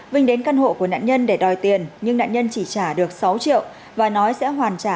vinh đến căn hộ của nạn nhân để đòi tiền nhưng nạn nhân chỉ trả được sáu triệu và nói sẽ hoàn trả